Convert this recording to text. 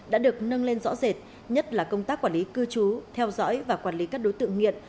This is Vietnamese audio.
đã được nâng lên rõ rệt nhất là công tác quản lý cư trú theo dõi và quản lý các đối tượng nghiện